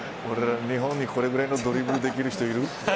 日本にこれぐらいのドリブルできる人いる。